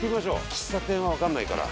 喫茶店はわかんないから。